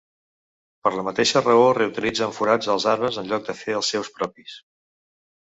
Per la mateixa raó reutilitzen forats als arbres en lloc de fer els seus propis.